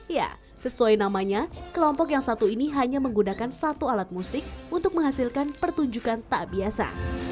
ya sesuai namanya kelompok yang satu ini hanya menggunakan satu alat musik untuk menghasilkan pertunjukan tak biasa